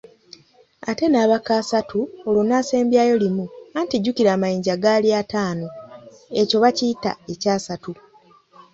Ate n’abaka asatu olwo n’asembyayo limu anti jjukira amanyinja gali ataanu. ekyo bakiyita ekyasatu.